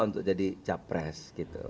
untuk jadi capres